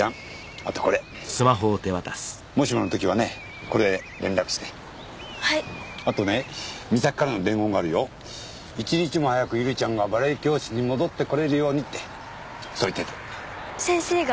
あとこれもしもの時はねこれで連絡してはいあとね美咲からの伝言があるよ「１日も早く百合ちゃんがバレエ教室に戻ってこれるように」ってそう言ってた先生が？